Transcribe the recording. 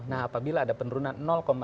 nah apabila ada penurunan dua puluh tujuh